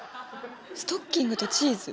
ストッキングとチーズ？